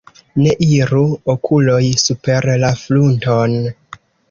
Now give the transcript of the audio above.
Ne iru okuloj super la frunton.